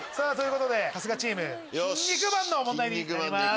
春日チーム『キン肉マン』の問題になります。